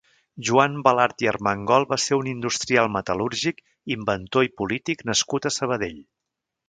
Joan Balart i Armengol va ser un industrial metal·lúrgic, inventor i polític nascut a Sabadell.